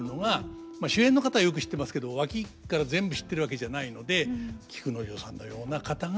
まあ主演の方よく知ってますけど脇から全部知ってるわけじゃないので菊之丞さんのような方が。